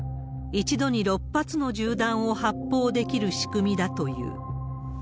１度に６発の銃弾を発砲できる仕組みだという。